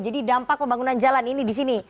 jadi dampak pembangunan jalan ini di sini